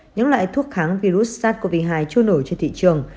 những loại thuốc kháng virus sars cov hai trôi nổi trên thị trường